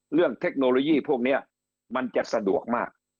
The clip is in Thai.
เทคโนโลยีพวกนี้มันจะสะดวกมาก